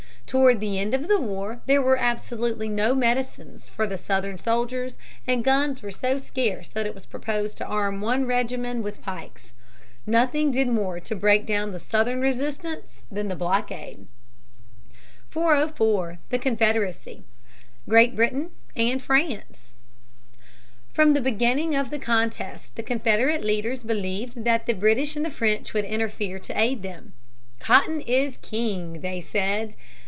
Toward the end of the war there were absolutely no medicines for the Southern soldiers, and guns were so scarce that it was proposed to arm one regiment with pikes. Nothing did more to break down Southern resistance than the blockade. [Sidenote: Hopes of the Southerners.] 404. The Confederacy, Great Britain, and France. From the beginning of the contest the Confederate leaders believed that the British and the French would interfere to aid them. "Cotton is king," they said.